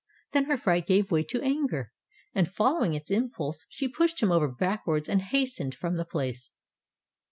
Then her fright gave way to anger, and following its impulse she pushed him over backwards, and hastened from the place.